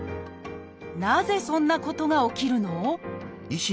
なぜそんなことが起きるの？